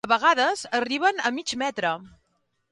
De vegades arriben a mig metre.